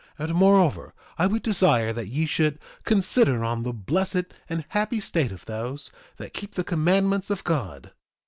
2:41 And moreover, I would desire that ye should consider on the blessed and happy state of those that keep the commandments of God.